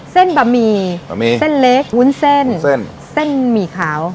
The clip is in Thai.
เส้นบะหมี่เส้นเล็กหุ้นเส้นเส้นหมี่ขาว